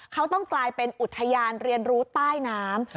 เขาต้องกลายเป็นอุทยานเรียนรู้ใต้น้ำ